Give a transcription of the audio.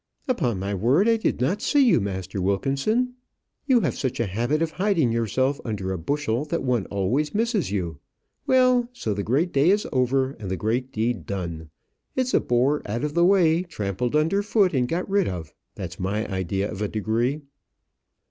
"Upon my word, I did not see you, Master Wilkinson. You have such a habit of hiding yourself under a bushel that one always misses you. Well; so the great day is over, and the great deed done. It's a bore out of the way, trampled under foot and got rid of; that's my idea of a degree."